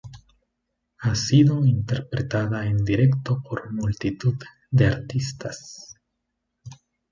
Ha sido interpretada en directo por multitud de artistas.